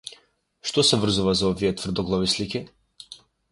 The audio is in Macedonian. Што се врзува за овие тврдоглави слики?